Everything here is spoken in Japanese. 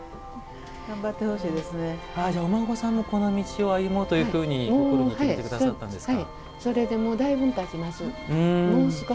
お孫さんもこの道を歩もうというふうに心に決めてくださったんですね。